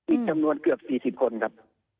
อีกจำนวนเกือบ๔๐คนครับ